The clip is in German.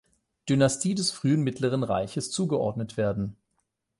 Dynastie des frühen Mittleren Reiches zugeordnet werden.